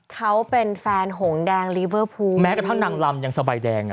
เขาเป็นแฟนหงแดงลีเวอร์พูลแม้กระทั่งนางลำยังสบายแดงอ่ะ